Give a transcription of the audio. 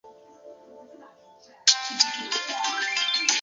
锉尾蛇主要分布于南印度及斯里兰卡。